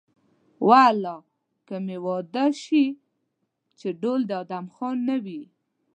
والله که مې واده شي چې ډول د ادم خان نه وي.